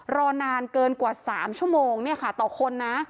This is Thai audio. รอนานเกินกว่า๓ชั่วโมงต่อคนนะ